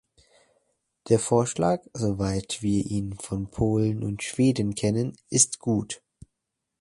Der Vorschlag, soweit wir ihn von Polen und Schweden kennen, ist gut.